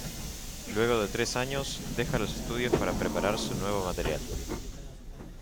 Luego de tres años, deja los estudios para preparar su nuevo material.